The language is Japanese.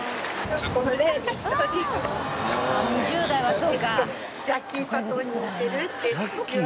２０代はそうか。